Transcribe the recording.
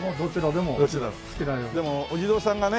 でもお地蔵さんがね。